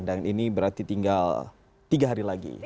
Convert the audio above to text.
dan ini berarti tinggal tiga hari lagi